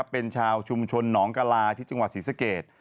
เป็นชาวชุมชนหนองกะลาที่จังหวัดศรีสเกต